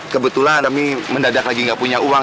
kebetulan kami mendadak lagi nggak punya uang